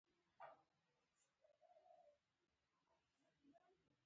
انتظار نه کېدی.